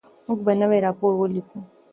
موږ به نوی راپور ولیکو.